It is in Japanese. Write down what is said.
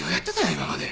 今まで。